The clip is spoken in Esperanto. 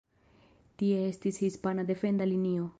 Tie estis hispana defenda linio.